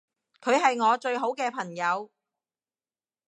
佢係我最好嘅朋友